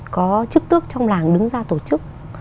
có chức tước trong làng đứng ra tổ chức